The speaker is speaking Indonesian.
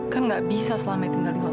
kan gak bisa selama tinggal di hotel ini